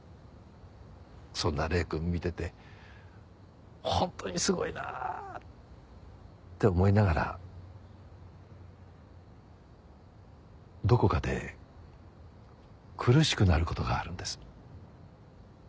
そんな礼くんを見てて本当にすごいなあ！って思いながらどこかで苦しくなる事があるんです。